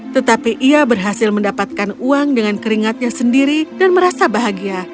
tetapi ia berhasil mendapatkan uang dengan keringatnya sendiri dan merasa bahagia